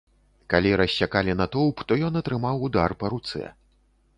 Калі рассякалі натоўп, то ён атрымаў удар па руцэ.